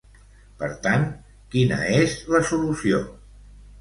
Per tant, quina és la solució?